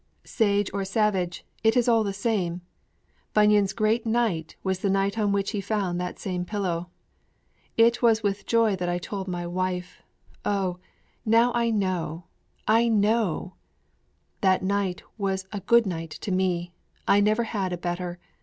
Sage or savage, it is all the same. Bunyan's great night was the night on which he found that same pillow. 'It was with joy that I told my wife, "O, now I know, I know!" That night was a good night to me! I never had a better.